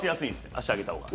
足上げたほうが。